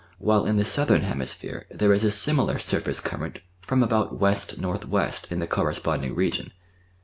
while in the Southern Hemisphere there is a .similar surface current from ahoiil \Y.\.\Y. in the corre sponding region.